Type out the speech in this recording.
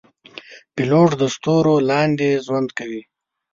پیلوټ د ستورو لاندې ژوند کوي.